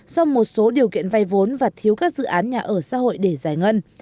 do một số điều kiện vay vốn và thiếu các dự án nhà ở xã hội để giải ngân